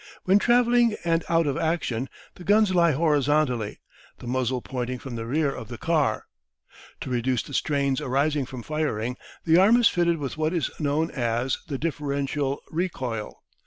When travelling and out of action, the gun lies horizontally, the muzzle pointing from the rear of the car. To reduce the strains arising from firing, the arm is fitted with what is known as the "differential recoil."